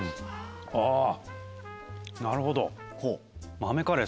あぁなるほど。